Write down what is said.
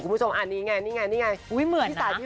เนื้อย่างนี้ไง